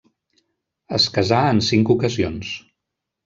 Es casà en cinc ocasions.